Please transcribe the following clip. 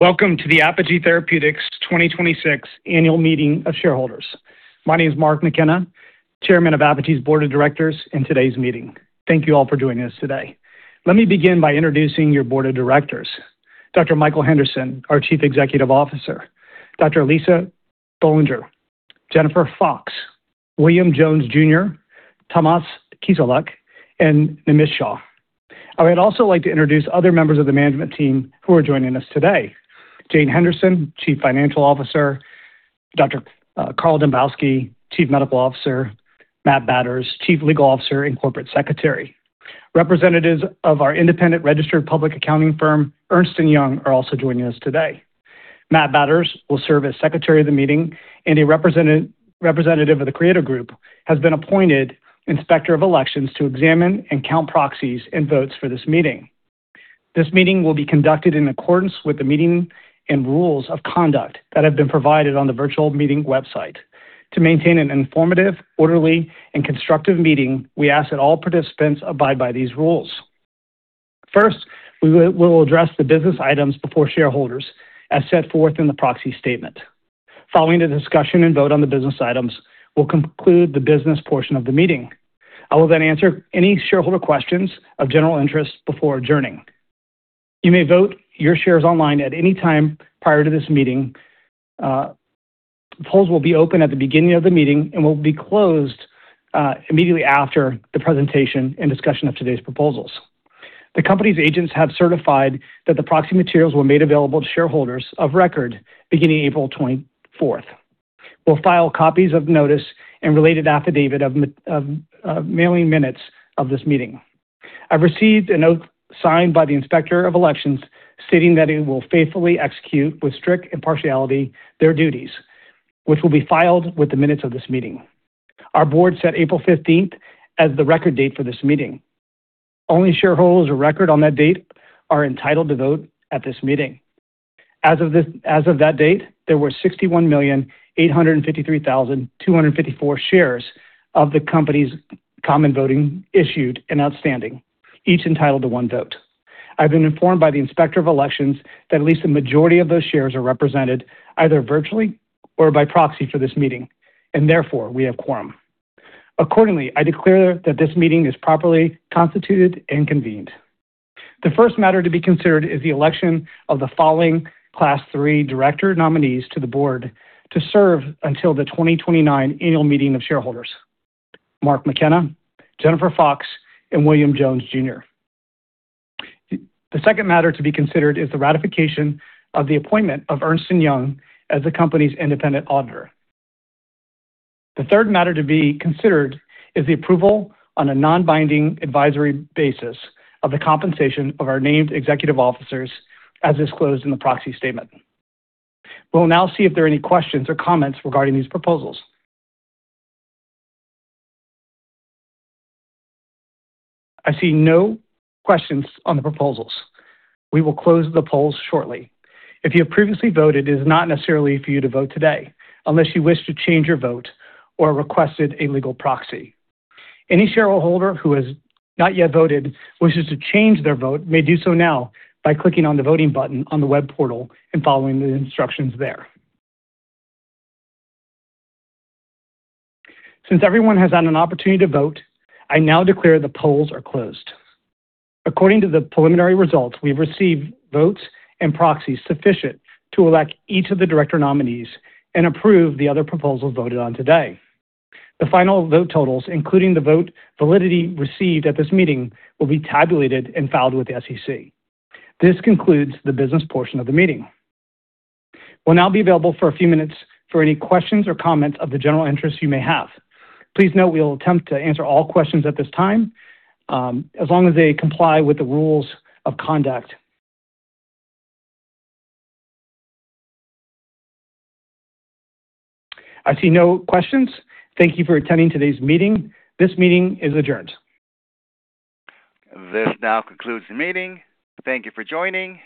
Welcome to the Apogee Therapeutics 2026 annual meeting of Shareholders. My name is Mark McKenna, chairman of Apogee's board of directors in today's meeting. Thank you all for joining us today. Let me begin by introducing your board of directors. Dr. Michael Henderson, our Chief Executive Officer, Dr. Lisa Bollinger, Jennifer Fox, William Jones Jr., Tomáš Kiselák, and Nimish Shah. I would also like to introduce other members of the management team who are joining us today. Jane Henderson, Chief Financial Officer, Dr. Carl Dambkowski, Chief Medical Officer, Matt Batters, Chief Legal Officer and Corporate Secretary. Representatives of our independent registered public accounting firm, Ernst & Young, are also joining us today. Matt Batters will serve as secretary of the meeting. A representative of the Creator Group has been appointed inspector of elections to examine and count proxies and votes for this meeting. This meeting will be conducted in accordance with the meeting and rules of conduct that have been provided on the virtual meeting website. To maintain an informative, orderly, and constructive meeting, we ask that all participants abide by these rules. First, we will address the business items before shareholders, as set forth in the proxy statement. Following the discussion and vote on the business items, we'll conclude the business portion of the meeting. I will then answer any shareholder questions of general interest before adjourning. You may vote your shares online at any time prior to this meeting. Polls will be open at the beginning of the meeting and will be closed immediately after the presentation and discussion of today's proposals. The company's agents have certified that the proxy materials were made available to shareholders of record beginning April 24th. We'll file copies of notice and related affidavit of mailing minutes of this meeting. I've received a note signed by the Inspector of Elections stating that it will faithfully execute, with strict impartiality, their duties, which will be filed with the minutes of this meeting. Our board set April 15th as the record date for this meeting. Only shareholders of record on that date are entitled to vote at this meeting. As of that date, there were 61,853,254 shares of the company's common voting issued and outstanding, each entitled to one vote. I've been informed by the Inspector of Elections that at least a majority of those shares are represented either virtually or by proxy for this meeting. Therefore, we have quorum. Accordingly, I declare that this meeting is properly constituted and convened. The first matter to be considered is the election of the following Class III director nominees to the board to serve until the 2029 annual meeting of shareholders, Mark McKenna, Jennifer Fox, and William Jones Jr. The second matter to be considered is the ratification of the appointment of Ernst & Young as the company's independent auditor. The third matter to be considered is the approval on a non-binding advisory basis of the compensation of our named executive officers as disclosed in the proxy statement. We'll now see if there are any questions or comments regarding these proposals. I see no questions on the proposals. We will close the polls shortly. If you have previously voted, it is not necessary for you to vote today unless you wish to change your vote or requested a legal proxy. Any shareholder who has not yet voted, wishes to change their vote, may do so now by clicking on the voting button on the web portal and following the instructions there. Since everyone has had an opportunity to vote, I now declare the polls are closed. According to the preliminary results, we've received votes and proxies sufficient to elect each of the director nominees and approve the other proposals voted on today. The final vote totals, including the vote validity received at this meeting, will be tabulated and filed with the SEC. This concludes the business portion of the meeting. We'll now be available for a few minutes for any questions or comments of the general interest you may have. Please note we'll attempt to answer all questions at this time, as long as they comply with the rules of conduct. I see no questions. Thank you for attending today's meeting. This meeting is adjourned. This now concludes the meeting. Thank you for joining.